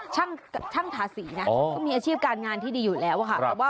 ช่างทาสีนะก็มีอาชีพการงานที่ดีอยู่แล้วค่ะ